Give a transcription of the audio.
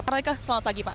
pak royke selamat pagi pak